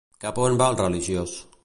Cap a on va el religiós?